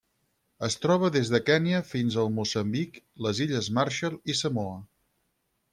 Es troba des de Kenya fins a Moçambic, les Illes Marshall i Samoa.